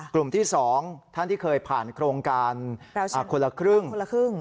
กลุ่มที่๒ท่านที่เคยผ่านโครงการคนละครึ่ง